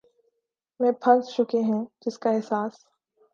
میں پھنس چکے ہیں جس کا احساس